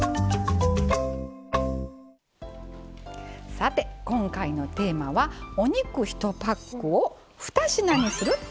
さて今回のテーマは「お肉１パックを２品にする」。